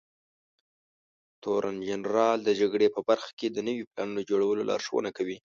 تورنجنرال د جګړې په برخه کې د نويو پلانونو جوړولو لارښونه کوي.